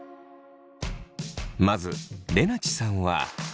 まずれなちさんは。